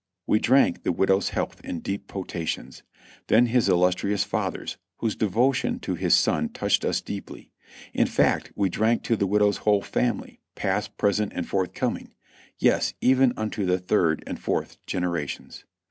We drank the widow's health in deep potations ; then his illustrious father's, whose devotion to his son touched us deeply. In fact, we drank to the widow's whole family, past, present and forthcoming, yes, even unto the third and fourth generations.